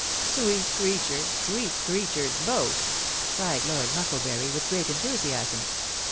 " Sweet creature ! sweet creatures both !" cried Lord Muckle bury, with great enthusiasm.